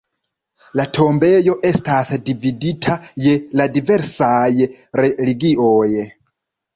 La tombejo estas dividita je la diversaj religioj.